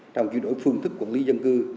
trong chuyển đổi phương thức quản lý dân cư